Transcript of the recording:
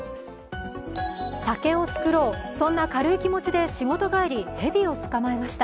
酒を造ろう、そんな軽い気持ちで仕事帰り、蛇を捕まえました。